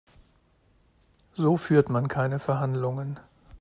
So führt man keine Verhandlungen.